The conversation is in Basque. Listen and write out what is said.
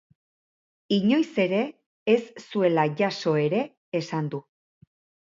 Inoiz ere ez zuela jaso ere esan du.